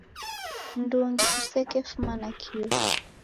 Mndungi usekefuma nakio.